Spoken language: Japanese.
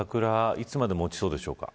いつまで持ちそうでしょうか。